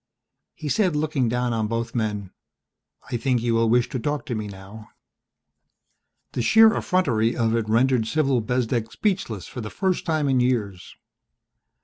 He said, looking down on both men, "I think you will wish to talk to me now." The sheer effrontery of it rendered Cyril Bezdek speechless for the first time in years.